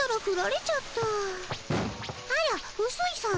あらうすいさん。